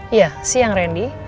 iya siang rendy